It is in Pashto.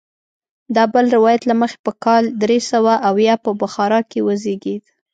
د بل روایت له مخې په کال درې سوه اویا په بخارا کې وزیږېد.